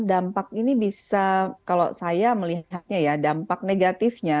dampak ini bisa kalau saya melihatnya ya dampak negatifnya